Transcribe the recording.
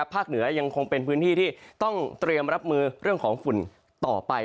เหนือยังคงเป็นพื้นที่ที่ต้องเตรียมรับมือเรื่องของฝุ่นต่อไป